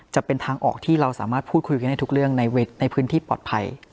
จะเป็นทางออกที่เราสามารถพูดคุยกันได้ทุกเรื่องในพื้นที่ปลอดภัย